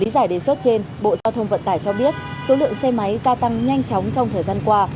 giải đề xuất trên bộ giao thông vận tải cho biết số lượng xe máy gia tăng nhanh chóng trong thời gian qua